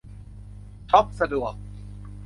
ช็อปสะดวก